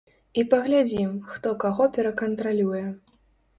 І паглядзім, хто каго перакантралюе.